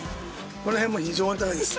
この辺も異常に高いです。